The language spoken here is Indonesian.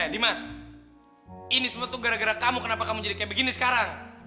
dimas ini semua tuh gara gara kamu kenapa kamu jadi kayak begini sekarang